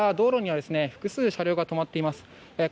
道路には複数の車両が止まっています。